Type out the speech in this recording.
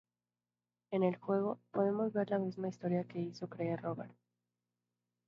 En el juego, podemos ver la misma historia que hizo creer Robert.